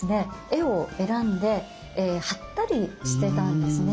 絵を選んで貼ったりしてたんですね。